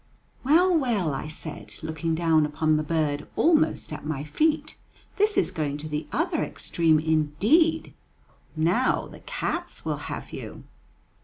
"Well, well," I said, looking down upon the bird almost at my feet, "this is going to the other extreme indeed; now the cats will have you."